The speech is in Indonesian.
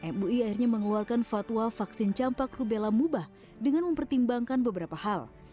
mui akhirnya mengeluarkan fatwa vaksin campak rubella mubah dengan mempertimbangkan beberapa hal